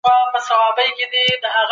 تاسې تر هغه ډېر قوي یاست چې فکر کوئ.